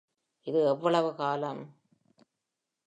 எது எவ்வளவு காலம்?